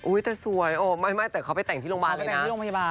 โอ้ยแต่สวยไม่แต่เขาไปแต่งที่โรงพยาบาลเลยนะ